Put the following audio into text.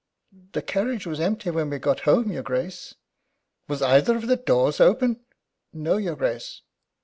"The carriage was empty when we got home, your Grace." "Was either of the doors open?" "No, your Grace."